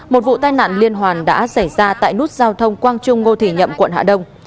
một vụ tai nạn liên hoàn đã xảy ra tại nút giao thông quang trung ngô thị nhậm quận hà đông